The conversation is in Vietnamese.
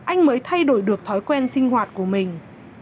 anh mới thay đổi được thói quen sinh hoạt của mình